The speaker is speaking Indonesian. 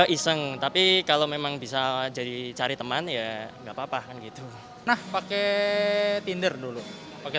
iseng tapi kalau memang bisa jadi cari teman ya nggak apa apa kan gitu nah pakai tinder dulu pakai